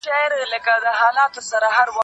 کېدای سي انسان دا ستونزمن پړاو هم تېر کړي.